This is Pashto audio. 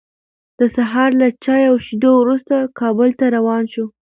د سهار له چای او شیدو وروسته، کابل ته روان شوو.